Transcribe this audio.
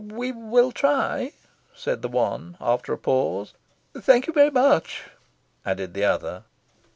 "We will try," said the one, after a pause. "Thank you very much," added the other.